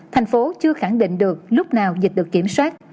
thành phố chưa khẳng định được lúc nào dịch được kiểm soát